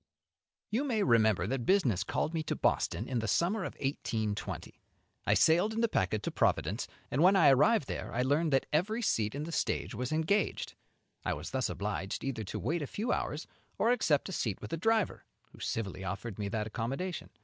You may remember that business called me to Boston in the summer of 1820. I sailed in the packet to Providence, and when I arrived there I learned that every seat in the stage was engaged. I was thus obliged either to wait a few hours or accept a seat with the driver, who civilly offered me that accommodation.